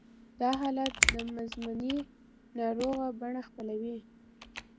دا حالت د مزمنې ناروغۍ بڼه خپلوي